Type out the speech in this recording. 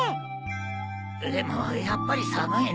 でもやっぱり寒いな。